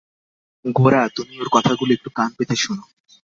গোরা, তুমি ওঁর কথাগুলো একটু কান পেতে শুনো।